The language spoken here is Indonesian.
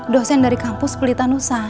dosen dari kampus pelitanusa